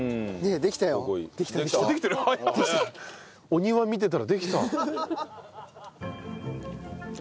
お庭見てたらできてた。